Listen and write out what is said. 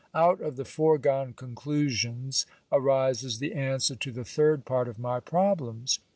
Out of the foregone conclusions arises the answer to the third part of my problems.